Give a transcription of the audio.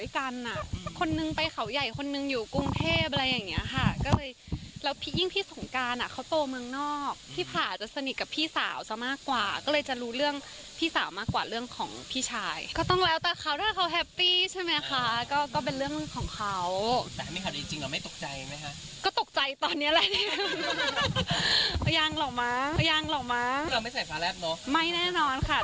ถ้าให้เพื่อนมาตอบแบบนี้เพื่อนก็ต้องเหงื่อตกแหละ